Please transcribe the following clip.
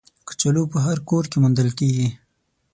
کچالو په هر کور کې موندل کېږي